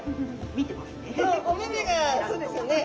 見てますね。